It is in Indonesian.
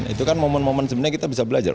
itu kan momen momen sebenarnya kita bisa belajar